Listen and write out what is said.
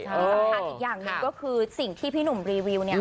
ที่สำคัญอีกอย่างหนึ่งก็คือสิ่งที่พี่หนุ่มรีวิวเนี่ย